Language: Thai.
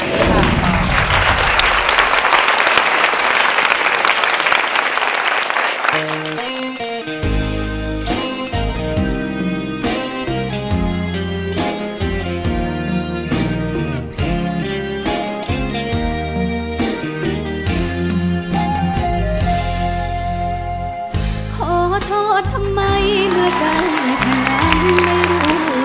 ขอโทษทำไมเมื่อใจทั้งการไม่รู้สึกยิ่ง